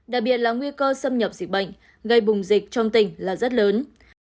đặc biệt là nguy cơ xâm nhập dịch bệnh gây bùng dịch trong tỉnh là rất lớn